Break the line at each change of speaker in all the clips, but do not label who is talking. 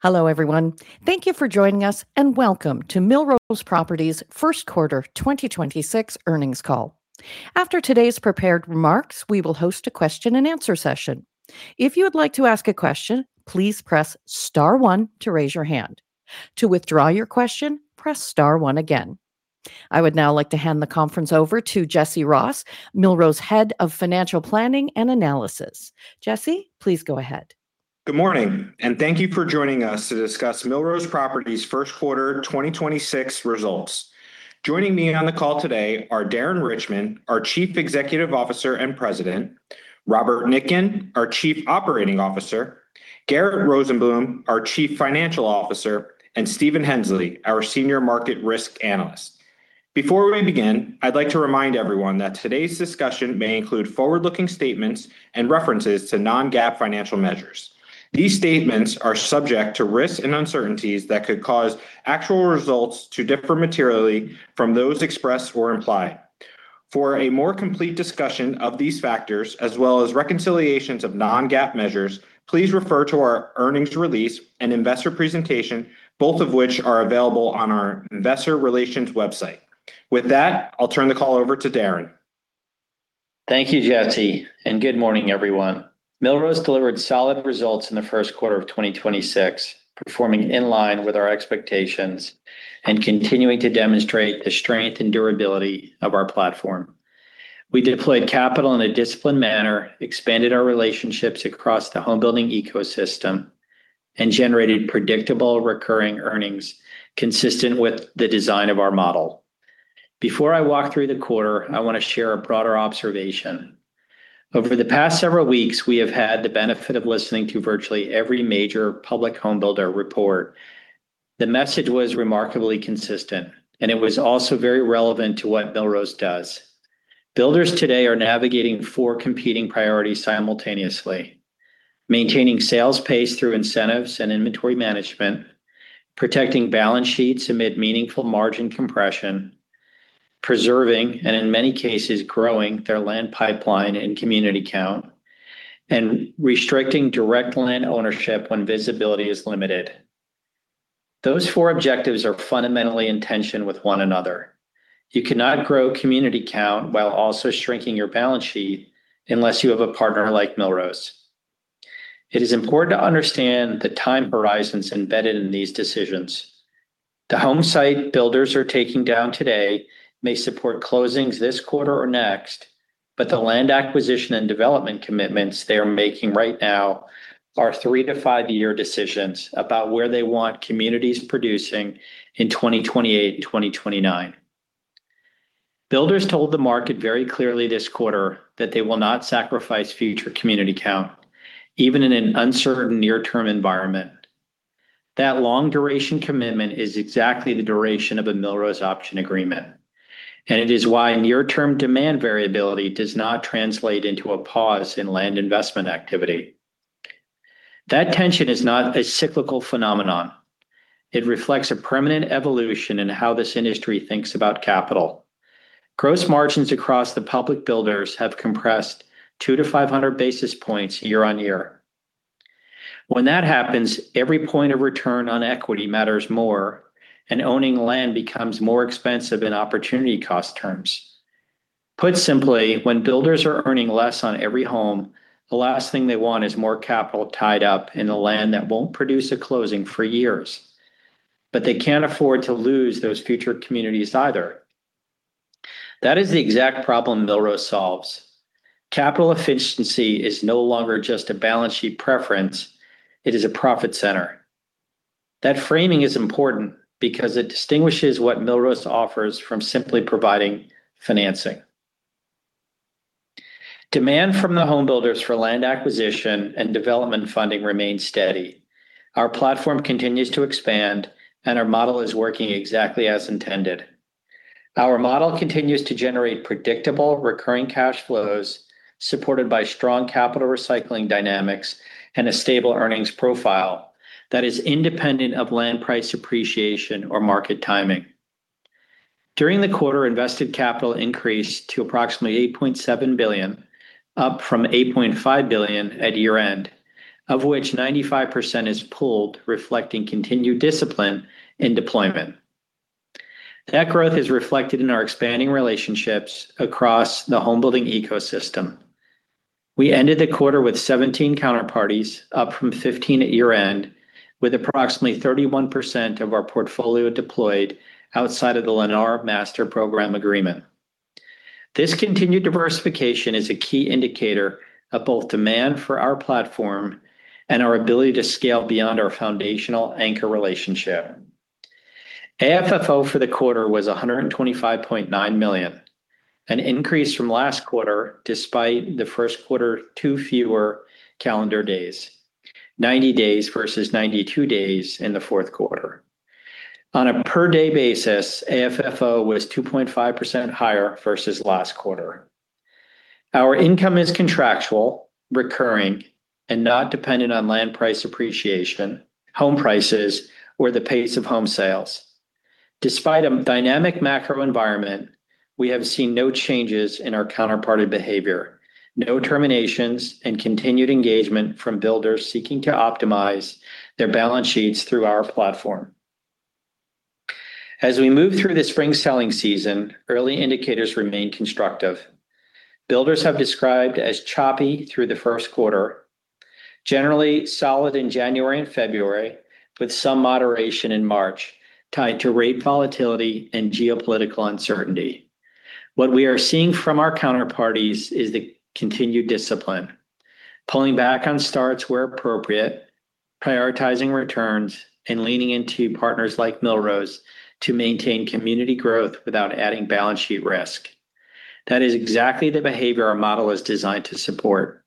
Hello, everyone. Thank you for joining us, and Welcome to Millrose Properties First Quarter 2026 Earnings Call. After today's prepared remarks, we will host a question-and-answer session. If you would like to ask a question, please press star one to raise your hand. To withdraw your question, press star one again. I would now like to hand the conference over to Jesse Ross, Millrose's Head of Financial Planning and Analysis. Jesse, please go ahead.
Good morning, thank you for joining us to discuss Millrose Properties first quarter 2026 results. Joining me on the call today are Darren Richman, our Chief Executive Officer and President, Robert Nitkin, our Chief Operating Officer, Garett Rosenblum, our Chief Financial Officer, and Steven Hensley, our Senior Market Risk Analyst. Before we begin, I'd like to remind everyone that today's discussion may include forward-looking statements and references to non-GAAP financial measures. These statements are subject to risks and uncertainties that could cause actual results to differ materially from those expressed or implied. For a more complete discussion of these factors, as well as reconciliations of non-GAAP measures, please refer to our earnings release and investor presentation, both of which are available on our investor relations website. With that, I'll turn the call over to Darren.
Thank you, Jesse, and good morning, everyone. Millrose delivered solid results in the first quarter of 2026, performing in line with our expectations and continuing to demonstrate the strength and durability of our platform. We deployed capital in a disciplined manner, expanded our relationships across the home building ecosystem, and generated predictable recurring earnings consistent with the design of our model. Before I walk through the quarter, I want to share a broader observation. Over the past several weeks, we have had the benefit of listening to virtually every major public home builder report. The message was remarkably consistent, and it was also very relevant to what Millrose does. Builders today are navigating four competing priorities simultaneously: maintaining sales pace through incentives and inventory management, protecting balance sheets amid meaningful margin compression, preserving, and in many cases, growing their land pipeline and community count, and restricting direct land ownership when visibility is limited. Those four objectives are fundamentally in tension with one another. You cannot grow community count while also shrinking your balance sheet unless you have a partner like Millrose. It is important to understand the time horizons embedded in these decisions. The homesite builders are taking down today may support closings this quarter or next, but the land acquisition and development commitments they are making right now are three- to five-year decisions about where they want communities producing in 2028 and 2029. Builders told the market very clearly this quarter that they will not sacrifice future community count, even in an uncertain near-term environment. That long-duration commitment is exactly the duration of a Millrose option agreement, and it is why near-term demand variability does not translate into a pause in land investment activity. That tension is not a cyclical phenomenon. It reflects a permanent evolution in how this industry thinks about capital. Gross margins across the public builders have compressed 200 to 500 basis points year-on-year. When that happens, every point of return on equity matters more and owning land becomes more expensive in opportunity cost terms. Put simply, when builders are earning less on every home, the last thing they want is more capital tied up in the land that won't produce a closing for years. They can't afford to lose those future communities either. That is the exact problem Millrose solves. Capital efficiency is no longer just a balance sheet preference, it is a profit center. That framing is important because it distinguishes what Millrose offers from simply providing financing. Demand from the home builders for land acquisition and development funding remains steady. Our platform continues to expand, and our model is working exactly as intended. Our model continues to generate predictable recurring cash flows, supported by strong capital recycling dynamics and a stable earnings profile that is independent of land price appreciation or market timing. During the quarter, invested capital increased to approximately $8.7 billion, up from $8.5 billion at year-end, of which 95% is pooled, reflecting continued discipline in deployment. That growth is reflected in our expanding relationships across the home building ecosystem. We ended the quarter with 17 counterparties, up from 15 at year-end, with approximately 31% of our portfolio deployed outside of the Lennar Master Program Agreement. This continued diversification is a key indicator of both demand for our platform and our ability to scale beyond our foundational anchor relationship. AFFO for the quarter was $125.9 million, an increase from last quarter despite the first quarter, two fewer calendar days, 90 days versus 92 days in the fourth quarter. On a per-day basis, AFFO was 2.5% higher versus last quarter. Our income is contractual, recurring, and not dependent on land price appreciation, home prices or the pace of home sales. Despite a dynamic macro environment, we have seen no changes in our counterparty behavior. No terminations and continued engagement from builders seeking to optimize their balance sheets through our platform. As we move through the spring selling season, early indicators remain constructive. Builders have described as choppy through the first quarter, generally solid in January and February, with some moderation in March tied to rate volatility and geopolitical uncertainty. What we are seeing from our counterparties is the continued discipline, pulling back on starts where appropriate, prioritizing returns, and leaning into partners like Millrose to maintain community growth without adding balance sheet risk. That is exactly the behavior our model is designed to support.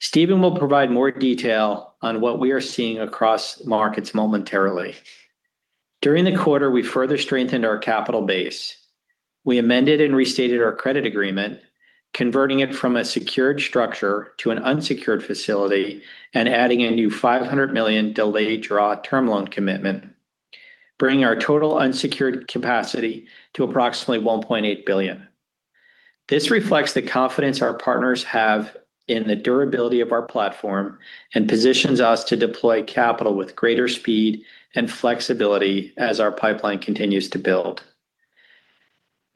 Steven will provide more detail on what we are seeing across markets momentarily. During the quarter, we further strengthened our capital base. We amended and restated our credit agreement, converting it from a secured structure to an unsecured facility and adding a new $500 million delayed draw term loan commitment, bringing our total unsecured capacity to approximately $1.8 billion. This reflects the confidence our partners have in the durability of our platform and positions us to deploy capital with greater speed and flexibility as our pipeline continues to build.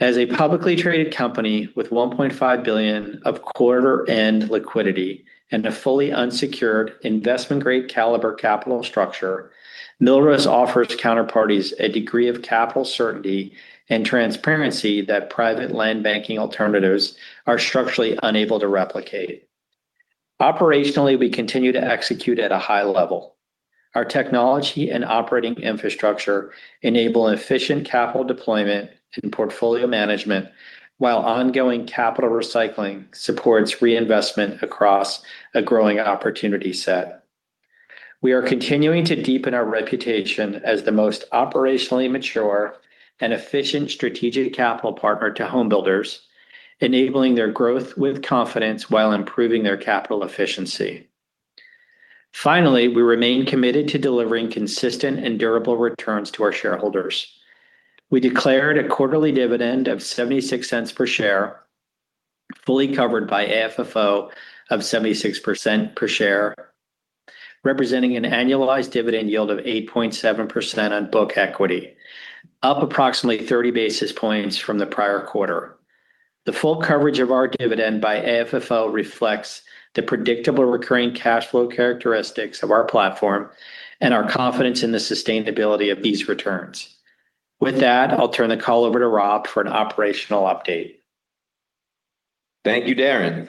As a publicly traded company with $1.5 billion of quarter end liquidity and a fully unsecured investment-grade caliber capital structure, Millrose offers counterparties a degree of capital certainty and transparency that private land banking alternatives are structurally unable to replicate. Operationally, we continue to execute at a high level. Our technology and operating infrastructure enable efficient capital deployment and portfolio management while ongoing capital recycling supports reinvestment across a growing opportunity set. We are continuing to deepen our reputation as the most operationally mature and efficient strategic capital partner to home builders, enabling their growth with confidence while improving their capital efficiency. Finally, we remain committed to delivering consistent and durable returns to our shareholders. We declared a quarterly dividend of $0.76 per share, fully covered by AFFO of 76% per share, representing an annualized dividend yield of 8.7% on book equity, up approximately 30 basis points from the prior quarter. The full coverage of our dividend by AFFO reflects the predictable recurring cash flow characteristics of our platform and our confidence in the sustainability of these returns. With that, I'll turn the call over to Rob for an operational update.
Thank you, Darren.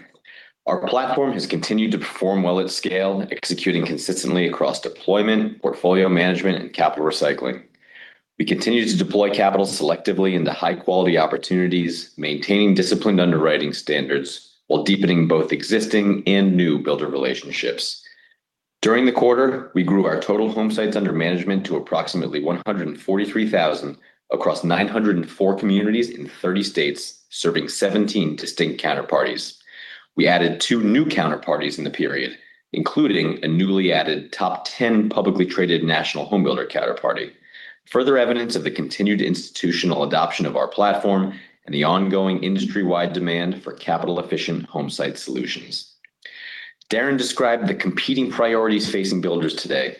Our platform has continued to perform well at scale, executing consistently across deployment, portfolio management, and capital recycling. We continue to deploy capital selectively into high-quality opportunities, maintaining disciplined underwriting standards while deepening both existing and new builder relationships. During the quarter, we grew our total homesites under management to approximately 143 across 904 communities in 30 states, serving 17 distinct counterparties. We added two new counterparties in the period, including a newly added top 10 publicly traded national home builder counterparty. Further evidence of the continued institutional adoption of our platform and the ongoing industry-wide demand for capital-efficient homesite solutions. Darren described the competing priorities facing builders today.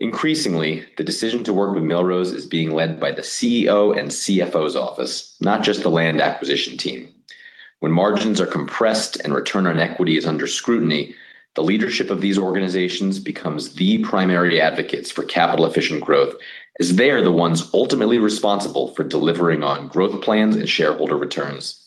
Increasingly, the decision to work with Millrose is being led by the CEO and CFO's office, not just the land acquisition team. When margins are compressed and return on equity is under scrutiny, the leadership of these organizations becomes the primary advocates for capital-efficient growth, as they are the ones ultimately responsible for delivering on growth plans and shareholder returns.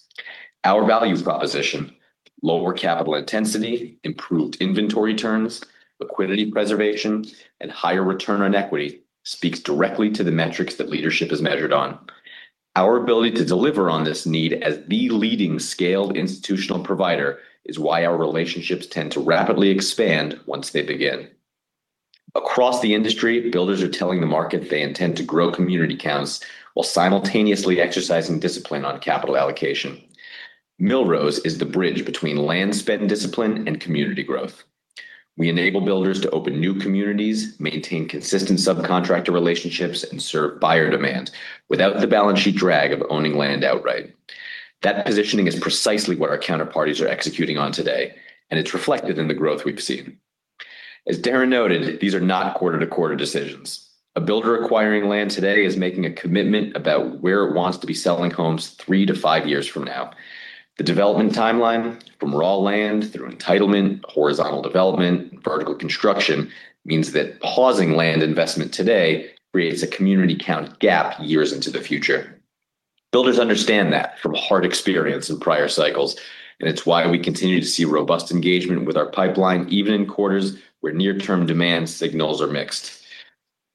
Our values proposition, lower capital intensity, improved inventory turns, liquidity preservation, and higher return on equity speaks directly to the metrics that leadership is measured on. Our ability to deliver on this need as the leading scaled institutional provider is why our relationships tend to rapidly expand once they begin. Across the industry, builders are telling the market they intend to grow community counts while simultaneously exercising discipline on capital allocation. Millrose is the bridge between land spend discipline and community growth. We enable builders to open new communities, maintain consistent subcontractor relationships, and serve buyer demand without the balance sheet drag of owning land outright. That positioning is precisely what our counterparties are executing on today, and it's reflected in the growth we've seen. As Darren noted, these are not quarter-to-quarter decisions. A builder acquiring land today is making a commitment about where it wants to be selling homes three to five years from now. The development timeline from raw land through entitlement, horizontal development, and vertical construction means that pausing land investment today creates a community count gap years into the future. Builders understand that from hard experience in prior cycles, and it's why we continue to see robust engagement with our pipeline even in quarters where near-term demand signals are mixed.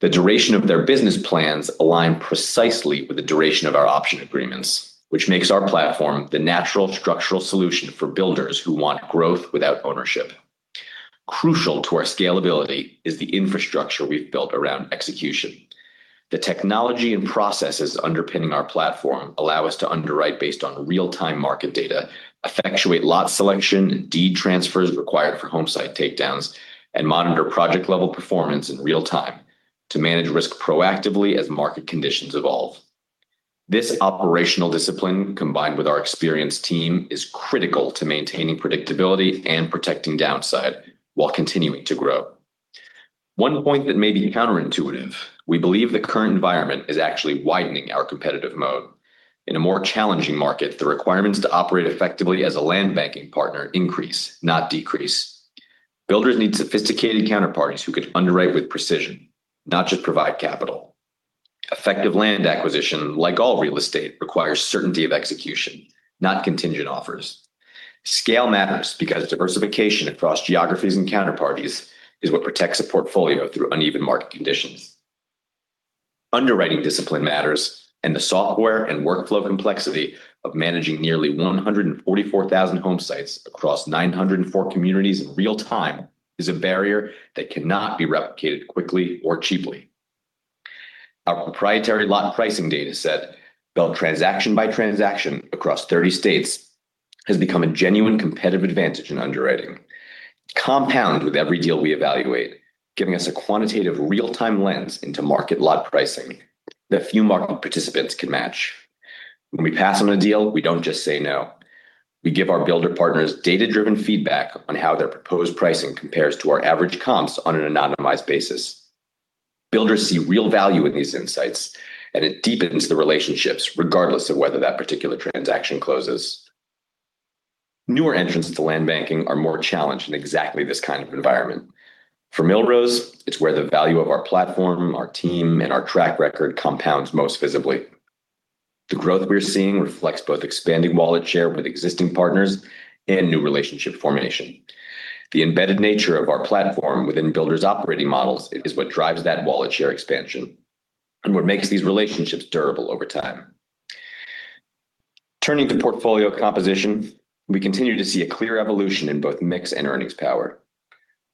The duration of their business plans align precisely with the duration of our option agreements, which makes our platform the natural structural solution for builders who want growth without ownership. Crucial to our scalability is the infrastructure we've built around execution. The technology and processes underpinning our platform allow us to underwrite based on real-time market data, effectuate lot selection and deed transfers required for homesite takedowns, and monitor project-level performance in real time to manage risk proactively as market conditions evolve. This operational discipline, combined with our experienced team, is critical to maintaining predictability and protecting downside while continuing to grow. One point that may be counterintuitive. We believe the current environment is actually widening our competitive moat. In a more challenging market, the requirements to operate effectively as a land banking partner increase, not decrease. Builders need sophisticated counterparties who could underwrite with precision, not just provide capital. Effective land acquisition, like all real estate, requires certainty of execution, not contingent offers. Scale matters because diversification across geographies and counterparties is what protects a portfolio through uneven market conditions. Underwriting discipline matters. The software and workflow complexity of managing nearly 144,000 home sites across 904 communities in real time is a barrier that cannot be replicated quickly or cheaply. Our proprietary lot pricing data set, built transaction by transaction across 30 states, has become a genuine competitive advantage in underwriting. Compound with every deal we evaluate, giving us a quantitative real-time lens into market lot pricing that few market participants can match. When we pass on a deal, we don't just say no. We give our builder partners data-driven feedback on how their proposed pricing compares to our average comps on an anonymized basis. Builders see real value in these insights. It deepens the relationships regardless of whether that particular transaction closes. Newer entrants to land banking are more challenged in exactly this kind of environment. For Millrose, it's where the value of our platform, our team, and our track record compounds most visibly. The growth we're seeing reflects both expanding wallet share with existing partners and new relationship formation. The embedded nature of our platform within builders' operating models is what drives that wallet share expansion and what makes these relationships durable over time. Turning to portfolio composition, we continue to see a clear evolution in both mix and earnings power.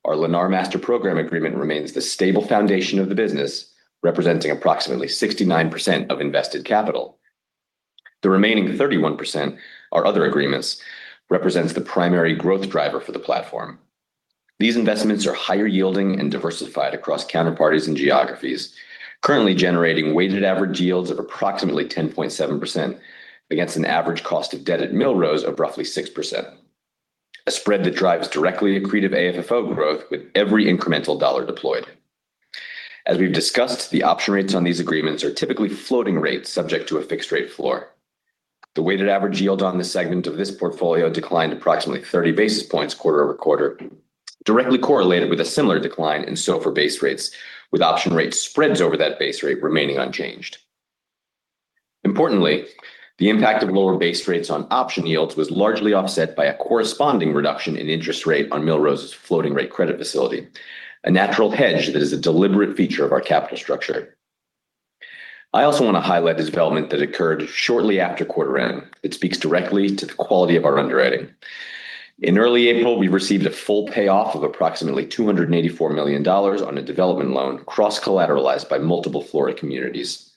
Our Lennar Master Program Agreement remains the stable foundation of the business, representing approximately 69% of invested capital. The remaining 31%, our other agreements, represents the primary growth driver for the platform. These investments are higher yielding and diversified across counterparties and geographies, currently generating weighted average yields of approximately 10.7% against an average cost of debt at Millrose of roughly 6%. A spread that drives directly accretive AFFO growth with every incremental dollar deployed. As we've discussed, the option rates on these agreements are typically floating rates subject to a fixed rate floor. The weighted average yield on this segment of this portfolio declined approximately 30 basis points quarter-over-quarter, directly correlated with a similar decline in SOFR base rates, with option rate spreads over that base rate remaining unchanged. Importantly, the impact of lower base rates on option yields was largely offset by a corresponding reduction in interest rate on Millrose's floating rate credit facility, a natural hedge that is a deliberate feature of our capital structure. I also want to highlight the development that occurred shortly after quarter end. It speaks directly to the quality of our underwriting. In early April, we received a full payoff of approximately $284 million on a development loan cross-collateralized by multiple Florida communities.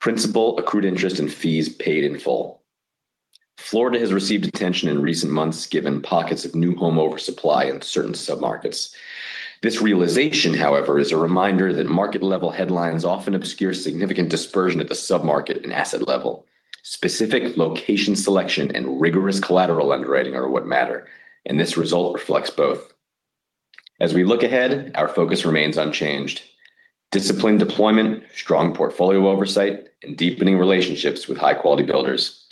Principal accrued interest and fees paid in full. Florida has received attention in recent months given pockets of new home oversupply in certain submarkets. This realization, however, is a reminder that market-level headlines often obscure significant dispersion at the submarket and asset level. Specific location selection and rigorous collateral underwriting are what matter, and this result reflects both. As we look ahead, our focus remains unchanged. Disciplined deployment, strong portfolio oversight, and deepening relationships with high-quality builders.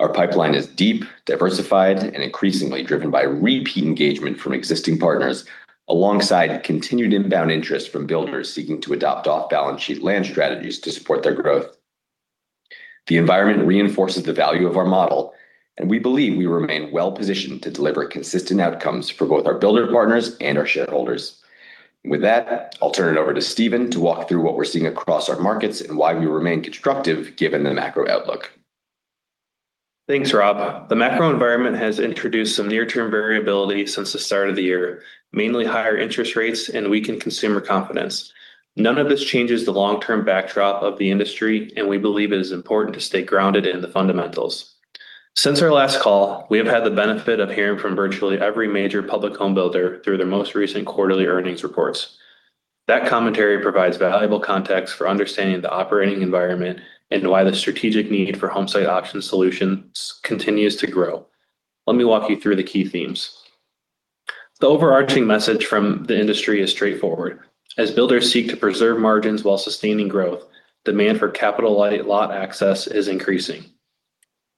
Our pipeline is deep, diversified, and increasingly driven by repeat engagement from existing partners alongside continued inbound interest from builders seeking to adopt off-balance sheet land strategies to support their growth. The environment reinforces the value of our model, and we believe we remain well-positioned to deliver consistent outcomes for both our builder partners and our shareholders. With that, I'll turn it over to Steven to walk through what we're seeing across our markets and why we remain constructive given the macro outlook.
Thanks, Rob. The macro environment has introduced some near-term variability since the start of the year, mainly higher interest rates and weakened consumer confidence. None of this changes the long-term backdrop of the industry, and we believe it is important to stay grounded in the fundamentals. Since our last call, we have had the benefit of hearing from virtually every major public home builder through their most recent quarterly earnings reports. That commentary provides valuable context for understanding the operating environment and why the strategic need for homesite option solutions continues to grow. Let me walk you through the key themes. The overarching message from the industry is straightforward. As builders seek to preserve margins while sustaining growth, demand for capital-light lot access is increasing.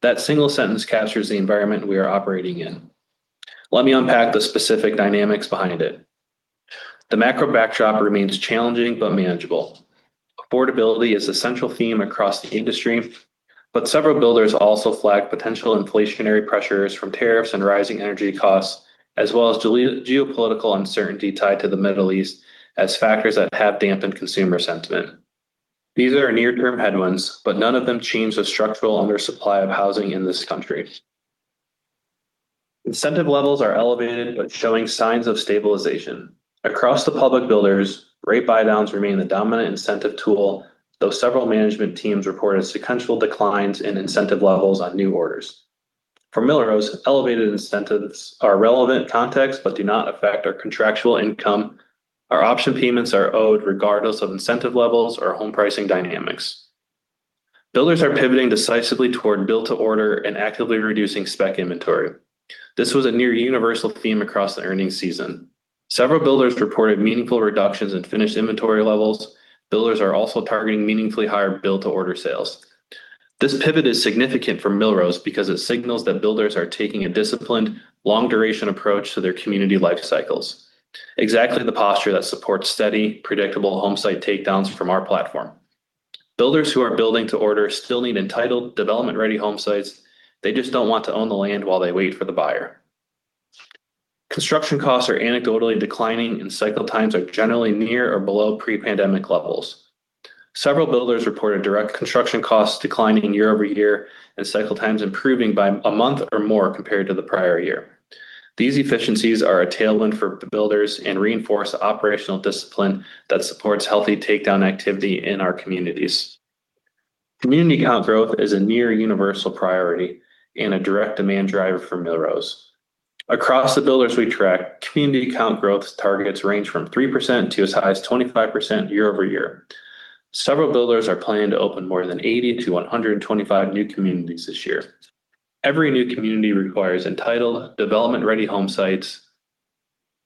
That single sentence captures the environment we are operating in. Let me unpack the specific dynamics behind it. The macro backdrop remains challenging but manageable. Affordability is a central theme across the industry, but several builders also flag potential inflationary pressures from tariffs and rising energy costs, as well as geopolitical uncertainty tied to the Middle East as factors that have dampened consumer sentiment. These are near-term headwinds, but none of them change the structural undersupply of housing in this country. Incentive levels are elevated but showing signs of stabilization. Across the public builders, rate buydowns remain the dominant incentive tool, though several management teams reported sequential declines in incentive levels on new orders. For Millrose, elevated incentives are relevant context, but do not affect our contractual income. Our option payments are owed regardless of incentive levels or home pricing dynamics. Builders are pivoting decisively toward build to order and actively reducing spec inventory. This was a near universal theme across the earnings season. Several builders reported meaningful reductions in finished inventory levels. Builders are also targeting meaningfully higher build to order sales. This pivot is significant for Millrose because it signals that builders are taking a disciplined long duration approach to their community life cycles. Exactly the posture that supports steady, predictable homesite takedowns from our platform. Builders who are building to order still need entitled development-ready homesites. They just don't want to own the land while they wait for the buyer. Construction costs are anecdotally declining, and cycle times are generally near or below pre-pandemic levels. Several builders reported direct construction costs declining year-over-year, and cycle times improving by a month or more compared to the prior year. These efficiencies are a tailwind for the builders and reinforce the operational discipline that supports healthy takedown activity in our communities. Community count growth is a near universal priority and a direct demand driver for Millrose. Across the builders we track, community count growth targets range from 3% to as high as 25% year-over-year. Several builders are planning to open more than 80-125 new communities this year. Every new community requires entitled development-ready homesites.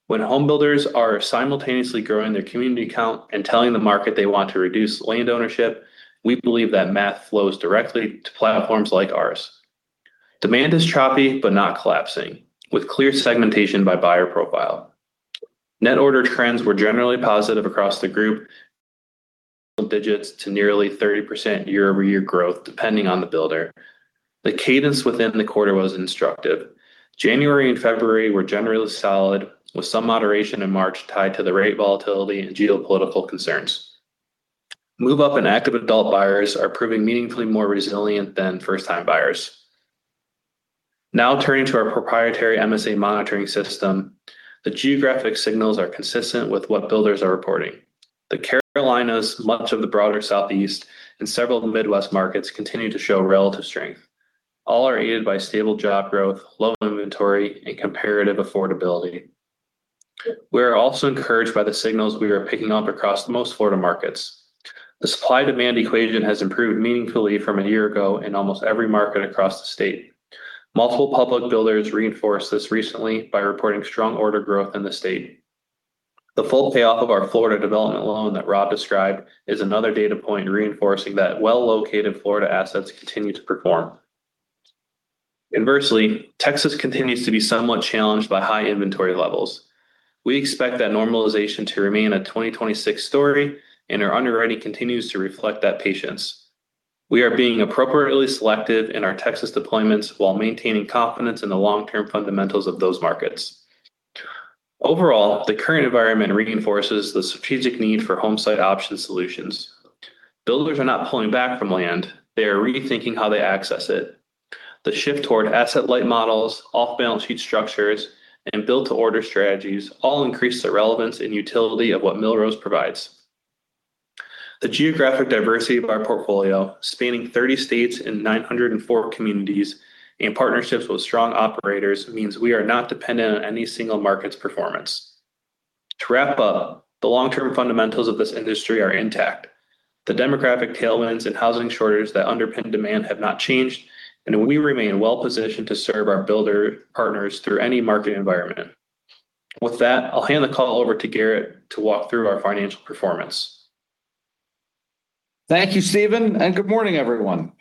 When homebuilders are simultaneously growing their community count and telling the market they want to reduce land ownership, we believe that math flows directly to platforms like ours. Demand is choppy, but not collapsing, with clear segmentation by buyer profile. Net order trends were generally positive across the group, digits to nearly 30% year-over-year growth, depending on the builder. The cadence within the quarter was instructive. January and February were generally solid, with some moderation in March tied to the rate volatility and geopolitical concerns. Move-up and active adult buyers are proving meaningfully more resilient than first-time buyers. Now turning to our proprietary MSA monitoring system. The geographic signals are consistent with what builders are reporting. The Carolinas, much of the broader Southeast, and several Midwest markets continue to show relative strength. All are aided by stable job growth, low inventory, and comparative affordability. We are also encouraged by the signals we are picking up across most Florida markets. The supply-demand equation has improved meaningfully from a year ago in almost every market across the state. Multiple public builders reinforced this recently by reporting strong order growth in the state. The full payoff of our Florida development loan that Rob described is another data point reinforcing that well-located Florida assets continue to perform. Inversely, Texas continues to be somewhat challenged by high inventory levels. We expect that normalization to remain a 2026 story. Our underwriting continues to reflect that patience. We are being appropriately selective in our Texas deployments while maintaining confidence in the long-term fundamentals of those markets. Overall, the current environment reinforces the strategic need for homesite option solutions. Builders are not pulling back from land. They are rethinking how they access it. The shift toward asset-light models, off-balance sheet structures, and build to order strategies all increase the relevance and utility of what Millrose provides. The geographic diversity of our portfolio, spanning 30 states and 904 communities in partnerships with strong operators, means we are not dependent on any single market's performance. To wrap up, the long-term fundamentals of this industry are intact. The demographic tailwinds and housing shortage that underpin demand have not changed, and we remain well-positioned to serve our builder partners through any market environment. With that, I'll hand the call over to Garett to walk through our financial performance.
Thank you, Steven, good morning, everyone.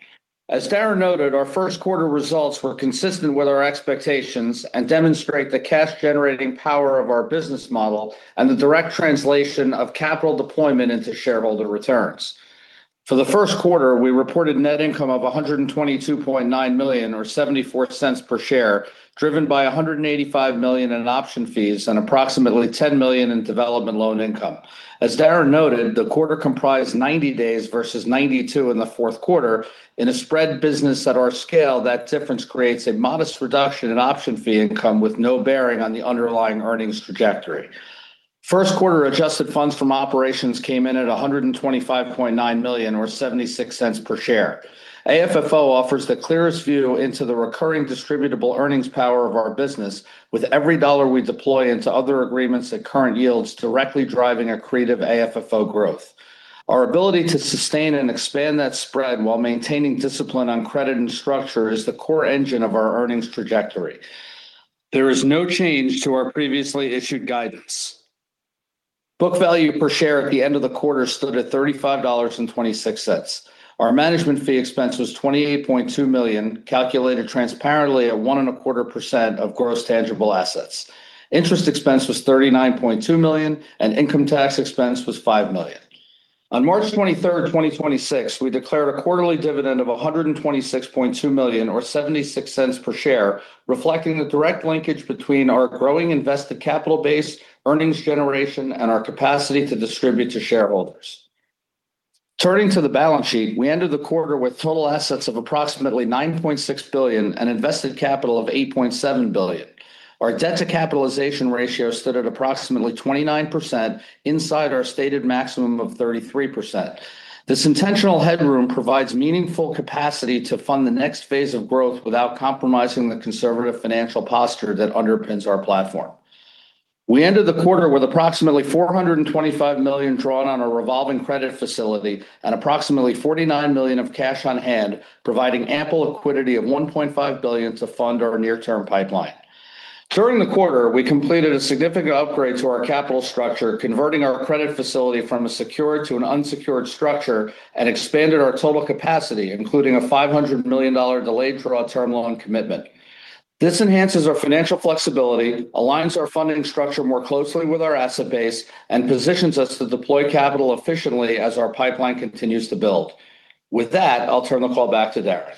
As Darren noted, our first quarter results were consistent with our expectations and demonstrate the cash generating power of our business model and the direct translation of capital deployment into shareholder returns. For the first quarter, we reported net income of $122.9 million or $0.74 per share, driven by $185 million in option fees and approximately $10 million in development loan income. As Darren noted, the quarter comprised 90 days versus 92 in the fourth quarter. In a spread business at our scale, that difference creates a modest reduction in option fee income with no bearing on the underlying earnings trajectory. First quarter adjusted funds from operations came in at $125.9 million or $0.76 per share. AFFO offers the clearest view into the recurring distributable earnings power of our business with every dollar we deploy into Other Agreements at current yields directly driving accretive AFFO growth. Our ability to sustain and expand that spread while maintaining discipline on credit and structure is the core engine of our earnings trajectory. There is no change to our previously issued guidance. Book value per share at the end of the quarter stood at $35.26. Our management fee expense was $28.2 million, calculated transparently at 1.25% of gross tangible assets. Interest expense was $39.2 million, and income tax expense was $5 million. On March 23rd, 2026, we declared a quarterly dividend of $126.2 million or $0.76 per share, reflecting the direct linkage between our growing invested capital base, earnings generation, and our capacity to distribute to shareholders. Turning to the balance sheet, we ended the quarter with total assets of approximately $9.6 billion and invested capital of $8.7 billion. Our debt to capitalization ratio stood at approximately 29% inside our stated maximum of 33%. This intentional headroom provides meaningful capacity to fund the next phase of growth without compromising the conservative financial posture that underpins our platform. We ended the quarter with approximately $425 million drawn on a revolving credit facility and approximately $49 million of cash on hand, providing ample liquidity of $1.5 billion to fund our near-term pipeline. During the quarter, we completed a significant upgrade to our capital structure, converting our credit facility from a secured to an unsecured structure and expanded our total capacity, including a $500 million delayed draw term loan commitment. This enhances our financial flexibility, aligns our funding structure more closely with our asset base, and positions us to deploy capital efficiently as our pipeline continues to build. With that, I'll turn the call back to Darren.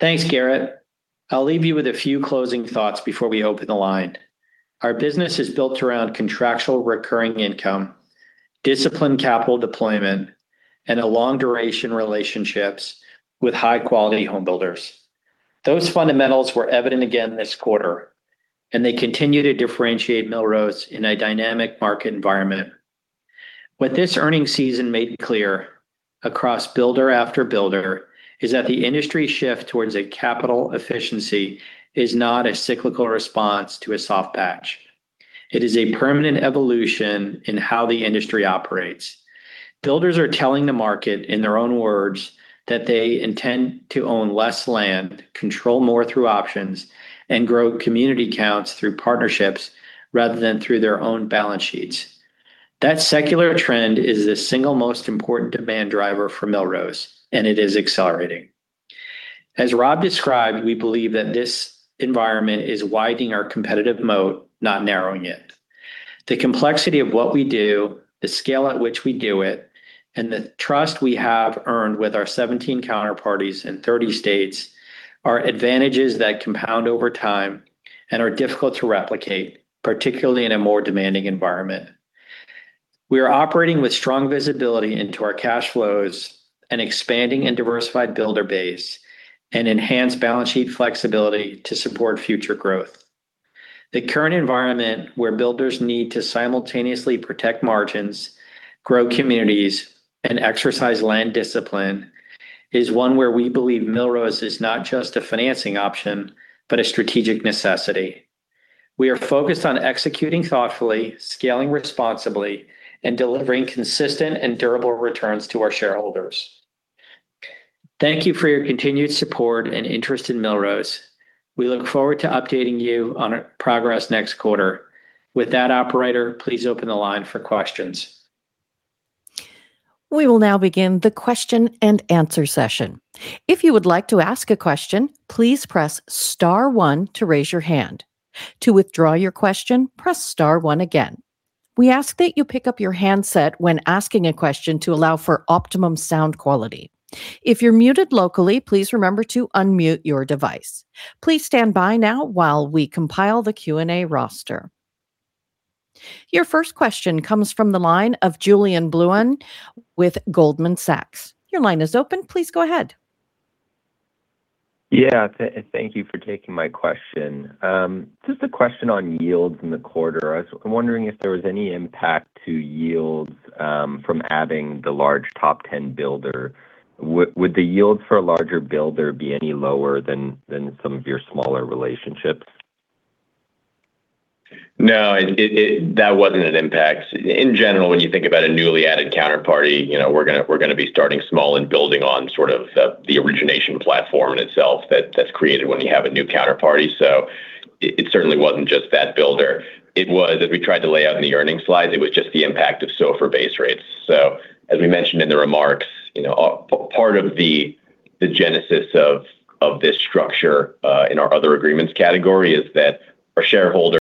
Thanks, Garett. I'll leave you with a few closing thoughts before we open the line. Our business is built around contractual recurring income, disciplined capital deployment, and a long duration relationships with high-quality home builders. Those fundamentals were evident again this quarter. They continue to differentiate Millrose's in a dynamic market environment. What this earning season made clear across builder after builder is that the industry shift towards a capital efficiency is not a cyclical response to a soft patch. It is a permanent evolution in how the industry operates. Builders are telling the market, in their own words, that they intend to own less land, control more through options, and grow community counts through partnerships rather than through their own balance sheets. That secular trend is the single most important demand driver for Millrose. It is accelerating. As Rob described, we believe that this environment is widening our competitive moat, not narrowing it. The complexity of what we do, the scale at which we do it, and the trust we have earned with our 17 counterparties in 30 states are advantages that compound over time and are difficult to replicate, particularly in a more demanding environment. We are operating with strong visibility into our cash flows and expanding and diversified builder base and enhanced balance sheet flexibility to support future growth. The current environment where builders need to simultaneously protect margins, grow communities, and exercise land discipline is one where we believe Millrose is not just a financing option, but a strategic necessity. We are focused on executing thoughtfully, scaling responsibly, and delivering consistent and durable returns to our shareholders. Thank you for your continued support and interest in Millrose. We look forward to updating you on our progress next quarter. With that, operator, please open the line for questions.
We will now begin the question and answer session. If you would like to ask a question, please press star one to raise your hand. To withdraw your question, press star one again. We ask that you pick up your handset when asking a question to allow for optimum sound quality. If you're muted locally, please remember to unmute your device. Please stand by now while we compile the Q&A roster. Your first question comes from the line of Julien Blouin with Goldman Sachs. Your line is open, please go ahead.
Yeah, thank you for taking my question. Just a question on yields in the quarter. I'm wondering if there was any impact to yields from adding the large top ten builder. Would the yield for a larger builder be any lower than some of your smaller relationships?
No, that wasn't an impact. In general, when you think about a newly added counterparty, you know, we're gonna be starting small and building on sort of the origination platform in itself that's created when you have a new counterparty. It certainly wasn't just that builder. It was, as we tried to lay out in the earnings slides, it was just the impact of SOFR-based rates. As we mentioned in the remarks, you know, part of the genesis of this structure, in our Other Agreements category is that our shareholders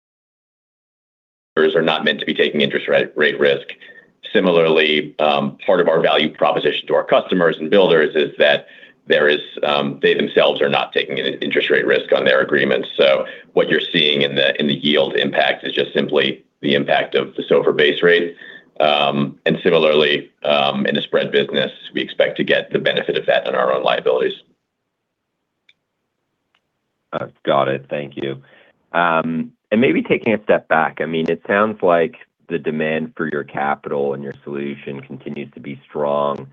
are not meant to be taking interest rate risk. Similarly, part of our value proposition to our customers and builders is that there is, they themselves are not taking in interest rate risk on their agreements. What you're seeing in the, in the yield impact is just simply the impact of the SOFR-base rate. Similarly, in the spread business, we expect to get the benefit of that on our own liabilities.
Got it. Thank you. Maybe taking a step back. I mean, it sounds like the demand for your capital and your solution continues to be strong.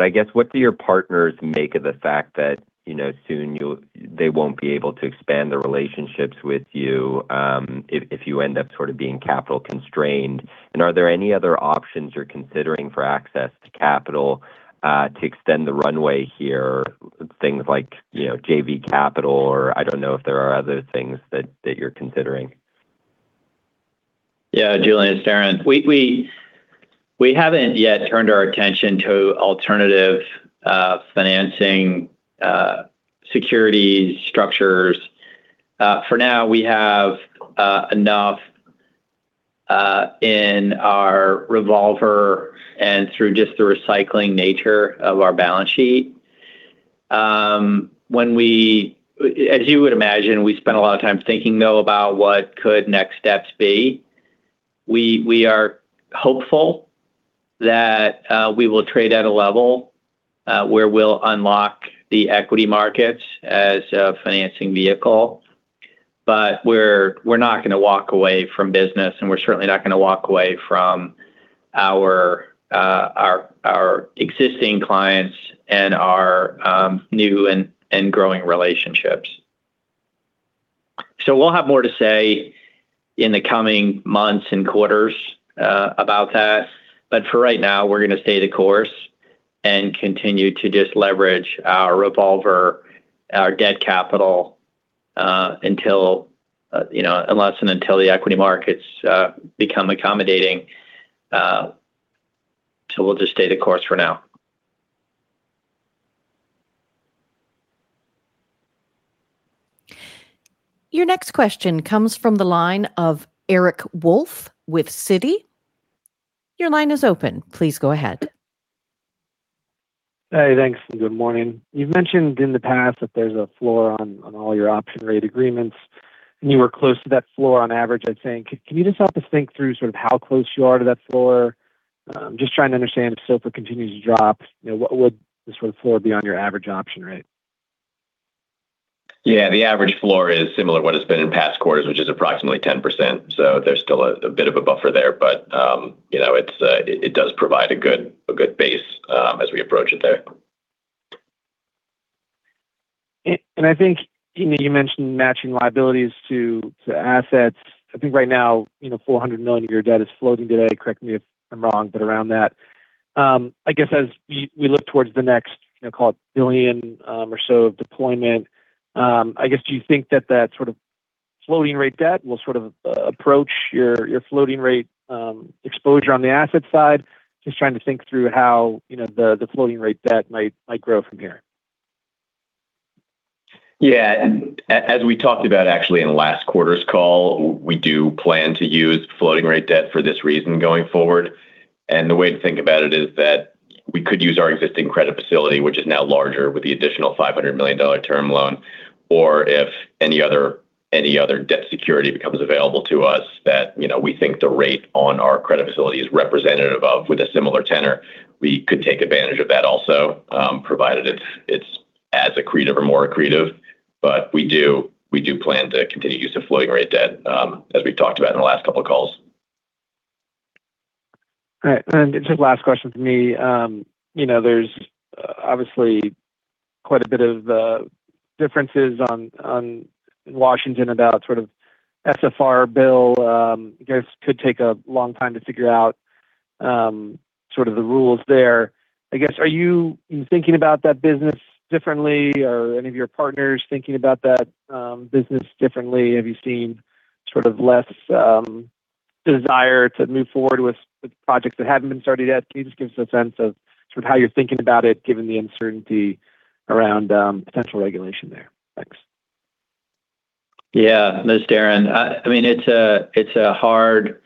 I guess, what do your partners make of the fact that, you know, soon they won't be able to expand their relationships with you, if you end up sort of being capital constrained? Are there any other options you're considering for access to capital, to extend the runway here, things like, you know, JV capital, or I don't know if there are other things that you're considering.
Julien, it's Darren. We haven't yet turned our attention to alternative financing security structures. For now, we have enough in our revolver and through just the recycling nature of our balance sheet. As you would imagine, we spend a lot of time thinking, though, about what could next steps be. We are hopeful that we will trade at a level where we'll unlock the equity markets as a financing vehicle. We're not gonna walk away from business, and we're certainly not gonna walk away from our existing clients and our new and growing relationships. We'll have more to say in the coming months and quarters about that. For right now, we're gonna stay the course and continue to just leverage our revolver, our debt capital until, you know, unless and until the equity markets become accommodating. We'll just stay the course for now.
Your next question comes from the line of Eric Wolfe with Citi. Your line is open. Please go ahead.
Hey, thanks. Good morning. You've mentioned in the past that there's a floor on all your option rate agreements. You were close to that floor on average, I'd say. Can you just help us think through sort of how close you are to that floor? Just trying to understand if SOFR continues to drop, you know, what would the sort of floor be on your average option rate?
Yeah, the average floor is similar what it's been in past quarters, which is approximately 10%. There's still a bit of a buffer there, but, you know, it's, it does provide a good base as we approach it there.
I think you mentioned matching liabilities to assets. I think right now, $400 million of your debt is floating today. Correct me if I'm wrong, but around that. I guess as we look towards the next, call it $1 billion or so of deployment, I guess, do you think that that sort of floating rate debt will sort of approach your floating rate exposure on the asset side? Just trying to think through how the floating rate debt might grow from here.
Yeah. As we talked about actually in last quarter's call, we do plan to use floating rate debt for this reason going forward. The way to think about it is that we could use our existing credit facility, which is now larger with the additional $500 million term loan, or if any other debt security becomes available to us that, you know, we think the rate on our credit facility is representative of with a similar tenor, we could take advantage of that also, provided it's as accretive or more accretive. We do plan to continue use of floating rate debt, as we've talked about in the last couple of calls.
All right. Just last question from me. You know, there's obviously quite a bit of differences on in Washington about sort of SFR build. I guess could take a long time to figure out sort of the rules there. I guess, are you thinking about that business differently or any of your partners thinking about that business differently? Have you seen sort of less desire to move forward with the projects that haven't been started yet? Can you just give us a sense of sort of how you're thinking about it, given the uncertainty around potential regulation there? Thanks.
Yeah. No, Darren, I mean, it's a hard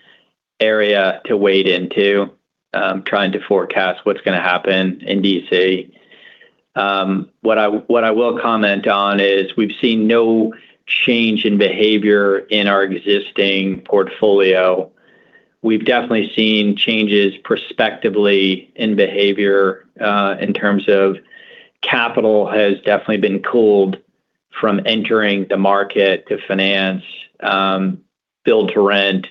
area to wade into, trying to forecast what's gonna happen in D.C. What I will comment on is we've seen no change in behavior in our existing portfolio. We've definitely seen changes prospectively in behavior, in terms of capital has definitely been cooled from entering the market to finance, build to rent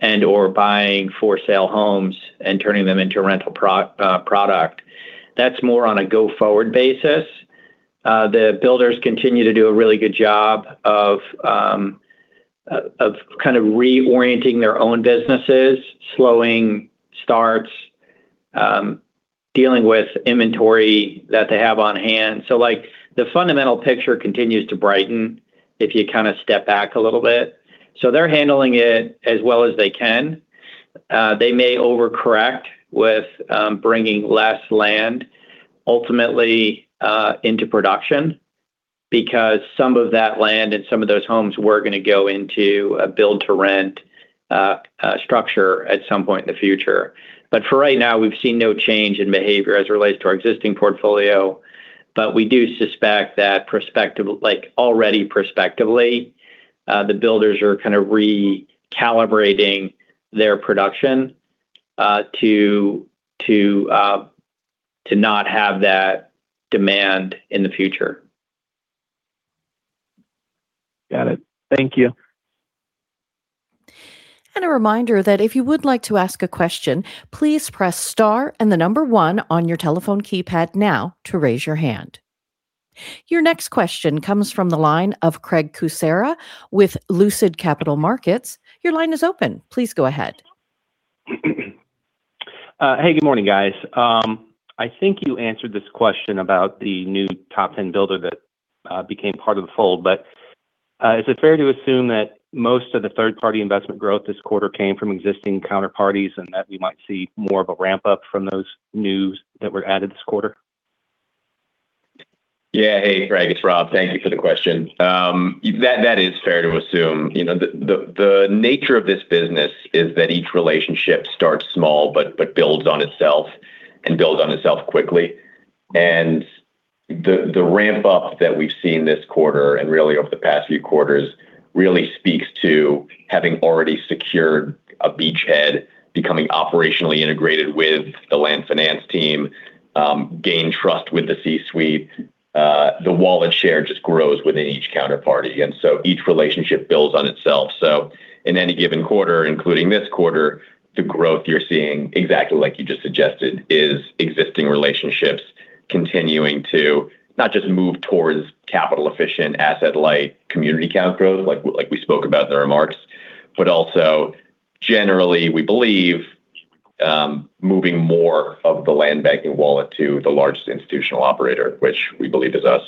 and/or buying for sale homes and turning them into a rental product. That's more on a go-forward basis. The builders continue to do a really good job of kind of reorienting their own businesses, slowing starts, dealing with inventory that they have on hand. Like, the fundamental picture continues to brighten if you kind of step back a little bit. They're handling it as well as they can. They may overcorrect with bringing less land ultimately into production because some of that land and some of those homes were gonna go into a build-to-rent structure at some point in the future. For right now, we've seen no change in behavior as it relates to our existing portfolio. We do suspect that prospectively, the builders are kind of recalibrating their production to not have that demand in the future.
Got it. Thank you.
Your next question comes from the line of Craig Kucera with Lucid Capital Markets. Your line is open. Please go ahead.
Hey, good morning, guys. I think you answered this question about the new top 10 builder that became part of the fold. Is it fair to assume that most of the third-party investment growth this quarter came from existing counterparties, and that we might see more of a ramp-up from those news that were added this quarter?
Yeah. Hey, Craig, it's Rob. Thank you for the question. That is fair to assume. You know, the nature of this business is that each relationship starts small but builds on itself and builds on itself quickly. The ramp up that we've seen this quarter and really over the past few quarters really speaks to having already secured a beachhead becoming operationally integrated with the land finance team, gained trust with the C-suite. The wallet share just grows within each counterparty. Each relationship builds on itself. In any given quarter, including this quarter, the growth you're seeing exactly like you just suggested, is existing relationships continuing to not just move towards capital efficient asset light community count growth like we spoke about in the remarks, but also generally we believe, moving more of the land banking wallet to the largest institutional operator, which we believe is us.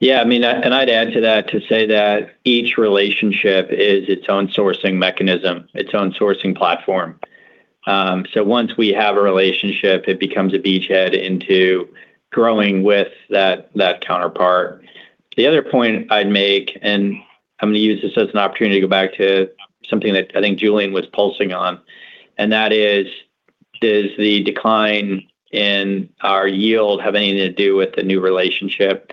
Yeah, I mean, I'd add to that to say that each relationship is its own sourcing mechanism, its own sourcing platform. Once we have a relationship, it becomes a beachhead into growing with that counterpart. The other point I'd make, I'm gonna use this as an opportunity to go back to something that I think Julien was pulsing on, that is, does the decline in our yield have anything to do with the new relationship?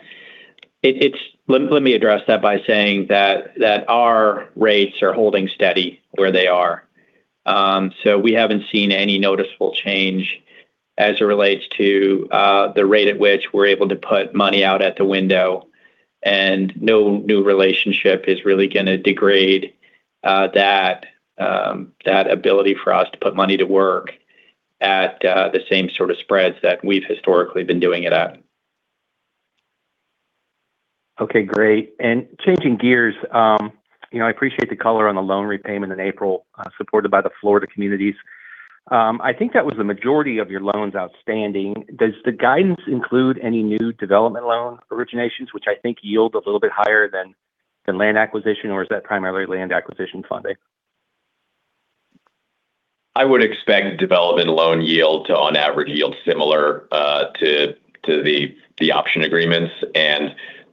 Let me address that by saying that our rates are holding steady where they are. We haven't seen any noticeable change as it relates to the rate at which we're able to put money out at the window. No new relationship is really gonna degrade, that ability for us to put money to work at, the same sort of spreads that we've historically been doing it at.
Okay, great. Changing gears, you know, I appreciate the color on the loan repayment in April, supported by the Florida communities. I think that was the majority of your loans outstanding. Does the guidance include any new development loan originations, which I think yield a little bit higher than land acquisition, or is that primarily land acquisition funding?
I would expect development loan yield to on average yield similar to the option agreements.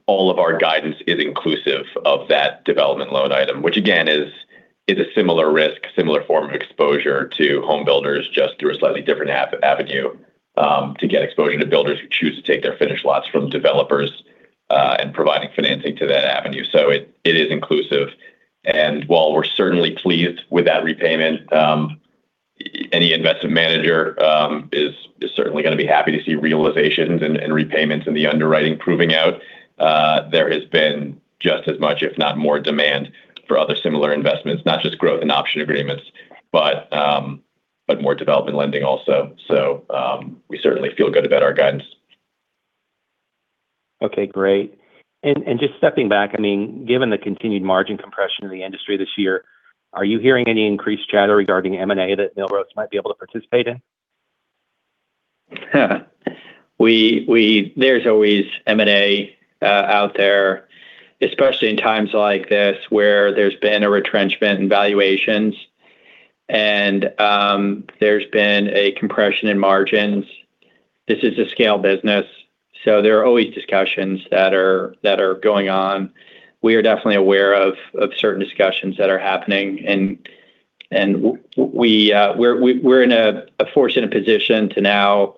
All of our guidance is inclusive of that development loan item, which again, is a similar risk, similar form of exposure to homebuilders just through a slightly different avenue to get exposure to builders who choose to take their finished lots from developers and providing financing to that avenue. It is inclusive. While we're certainly pleased with that repayment, any investment manager is certainly gonna be happy to see realizations and repayments in the underwriting proving out. There has been just as much, if not more demand for other similar investments, not just growth and option agreements, but more development lending also. We certainly feel good about our guidance.
Okay, great. Just stepping back, I mean, given the continued margin compression in the industry this year, are you hearing any increased chatter regarding M&A that Millrose might be able to participate in?
There's always M&A out there, especially in times like this where there's been a retrenchment in valuations and there's been a compression in margins. This is a scale business, there are always discussions that are going on. We are definitely aware of certain discussions that are happening and we're in a fortunate position to now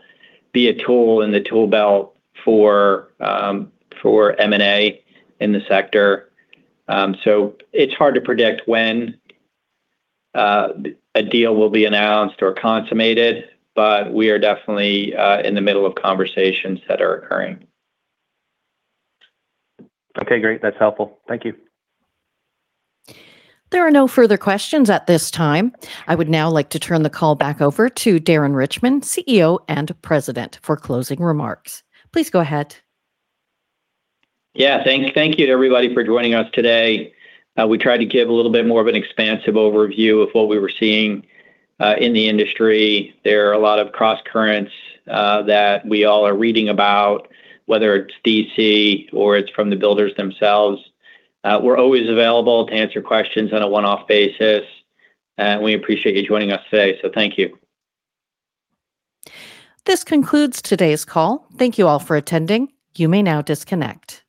be a tool in the tool belt for M&A in the sector. It's hard to predict when a deal will be announced or consummated, but we are definitely in the middle of conversations that are occurring.
Okay, great. That's helpful. Thank you.
There are no further questions at this time. I would now like to turn the call back over to Darren Richman, CEO and President for closing remarks. Please go ahead.
Thank you to everybody for joining us today. We tried to give a little bit more of an expansive overview of what we were seeing in the industry. There are a lot of crosscurrents that we all are reading about, whether it's D.C. or it's from the builders themselves. We're always available to answer questions on a one-off basis, and we appreciate you joining us today, so thank you.
This concludes today's call. Thank you all for attending. You may now disconnect.